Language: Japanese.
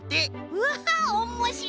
うわっおもしろい！